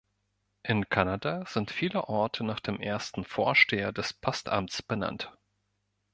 In Kanada sind viele Orte nach dem ersten Vorsteher des Postamts benannt.